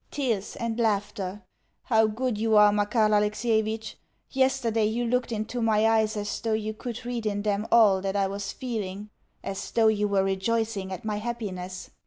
Tears and laughter!... How good you are, Makar Alexievitch! Yesterday you looked into my eyes as though you could read in them all that I was feeling as though you were rejoicing at my happiness.